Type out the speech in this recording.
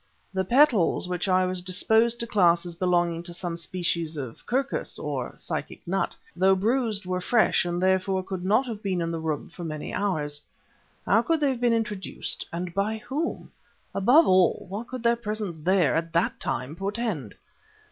The petals (which I was disposed to class as belonging to some species of Curcas or Physic Nut), though bruised, were fresh, and therefore could not have been in the room for many hours. How had they been introduced, and by whom? Above all, what could their presence there at that time portend?